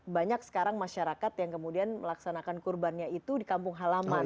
banyak sekarang masyarakat yang kemudian melaksanakan kurbannya itu di kampung halaman